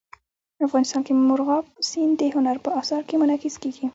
افغانستان کې مورغاب سیند د هنر په اثار کې منعکس کېږي.